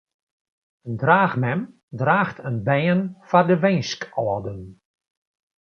In draachmem draacht in bern foar de winskâlden.